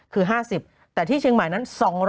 คือ๕๐แต่ที่เชียงใหม่นั้น